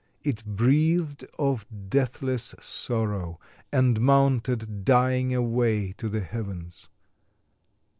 It breathed of deathless sorrow and mounted dying away to the heavens.